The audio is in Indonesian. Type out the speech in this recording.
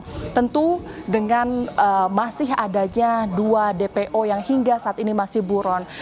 dan tentu dengan masih adanya dua dpo yang hingga saat ini masih buron